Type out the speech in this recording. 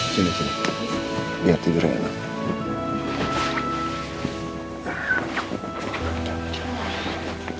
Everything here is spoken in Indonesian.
sini sini biar tidurnya enak